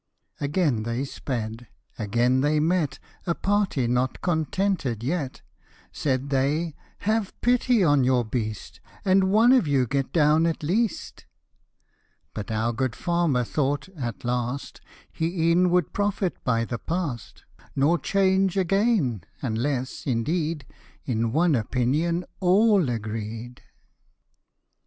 Again |hey sped ; again they met A party not contented yet : Said they, " Have pity on your beast. And one of you get down at least." But our good farmer thought at last, He e'en would profit by the past ; Nor change again, unless, indeed, In one opinion all agreed.